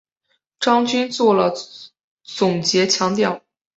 张军作了总结强调